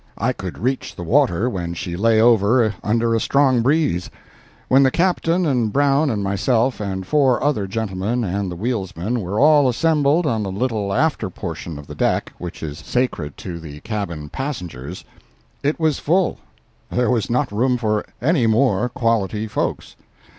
I could reach the water when she lay over under a strong breeze. When the Captain and Brown and myself and four other gentlemen and the wheelsman were all assembled on the little after portion of the deck which is sacred to the cabin passengers, it was full—there was not room for any more quality folks.